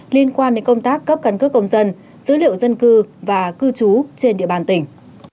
liên quan đến công tác cấp căn cước công dân dữ liệu dân cư và cư trú trên địa bàn tỉnh